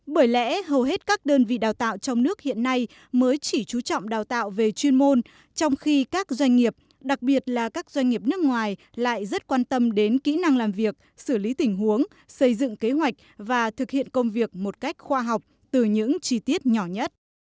bởi lẽ hầu hết các đơn vị đào tạo trong nước hiện nay mới chỉ chú trọng đào tạo về chuyên môn trong khi các doanh nghiệp đặc biệt là các doanh nghiệp nước ngoài lại rất quan tâm đến kỹ năng làm việc xử lý tình huống xây dựng kế hoạch và thực hiện công việc một cách khoa học từ những chi tiết nhỏ nhất